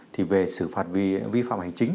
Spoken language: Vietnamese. thì về xử phạt vì vi phạm hành chính